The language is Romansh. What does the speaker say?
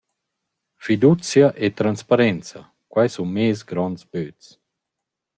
Fiduzcha e transparenza, quai sun meis gronds böts.